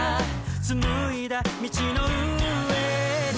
「紡いだ道の上に」